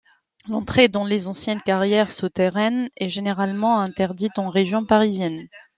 L'entrée dans les anciennes carrières souterraines est généralement interdite en région parisienne.